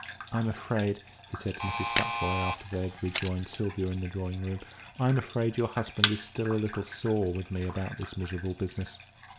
"I'm afraid," he said to Mrs. Futvoye, after they had rejoined Sylvia in the drawing room "I'm afraid your husband is still a little sore with me about this miserable business."